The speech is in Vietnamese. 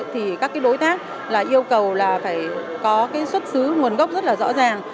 thì các đối tác yêu cầu phải có xuất xứ nguồn gốc rất rõ ràng